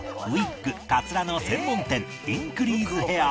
ウィッグカツラの専門店インクリーズヘアー